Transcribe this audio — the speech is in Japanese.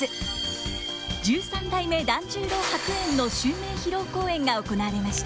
十三代團十郎白猿の襲名披露公演が行われました。